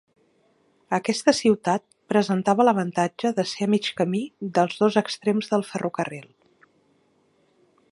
Aquesta ciutat presentava l'avantatge de ser a mig camí dels dos extrems del ferrocarril.